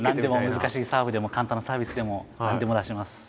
難しいサーブでも簡単なサービスでも何でも出します。